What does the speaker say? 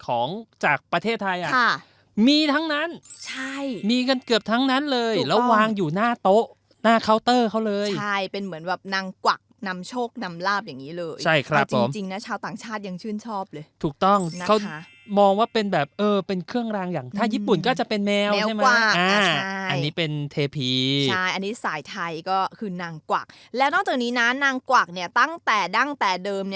ของจากประเทศไทยอ่ะค่ะมีทั้งนั้นใช่มีกันเกือบทั้งนั้นเลยแล้ววางอยู่หน้าโต๊ะหน้าเคาน์เตอร์เขาเลยใช่เป็นเหมือนแบบนางกวักนำโชคนำราบอย่างงี้เลยใช่ครับแต่จริงจริงน่ะชาวต่างชาติยังชื่นชอบเลยถูกต้องเขานะคะมองว่าเป็นแบบเออเป็นเครื่องรางอย่างถ้าญี่ปุ่นก็จะเป็นแมวใช่ไ